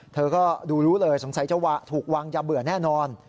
เธอก็ดูรู้เลยสงสัยจะถูกวางยาเบื่อแน่นอน